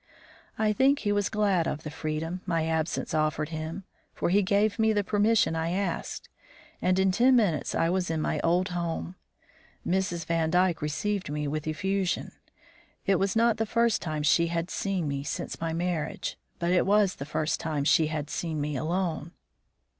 I think he was glad of the freedom my absence offered him, for he gave me the permission I asked, and in ten minutes I was in my old home. Mrs. Vandyke received me with effusion. It was not the first time she had seen me since my marriage, but it was the first time she had seen me alone.